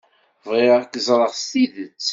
Bɣiɣ ad k-ẓreɣ s tidet.